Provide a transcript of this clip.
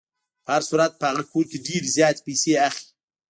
په هر صورت په هغه کور کې ډېرې زیاتې پیسې اخلي.